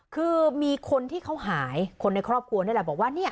คือมีคนที่เขาหายคนในครอบครัวนี่แหละบอกว่า